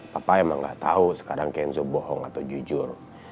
papa emang gak tahu sekarang kenzo bohong atau jujur